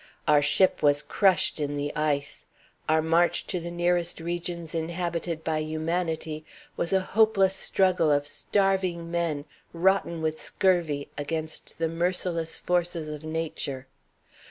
Our ship was crushed in the ice. Our march to the nearest regions inhabited by humanity was a hopeless struggle of starving men, rotten with scurvy, against the merciless forces of Nature.